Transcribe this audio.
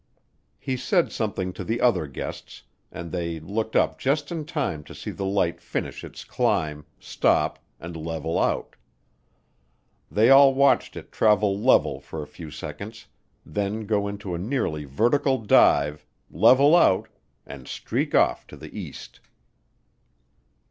He said something to the other guests, and they looked up just in time to see the light finish its climb, stop, and level out. They all watched it travel level for a few seconds, then go into a nearly vertical dive, level out, and streak off to the east.